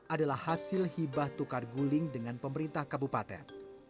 adalah hasil hibah tukar guling dengan pemerintah kabupaten